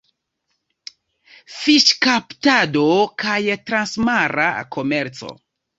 Fiŝkaptado kaj transmara komerco.